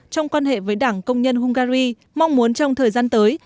trong quan hệ với đảng công nhân hungary mong muốn trong thời gian tới